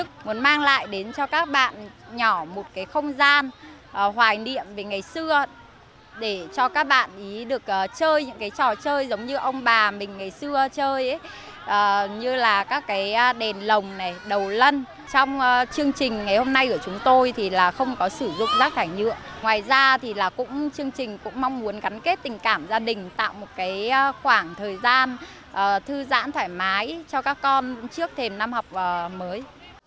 cũng mong muốn gắn kết tình cảm gia đình tạo một khoảng thời gian thư giãn thoải mái cho các con trước thêm năm học mới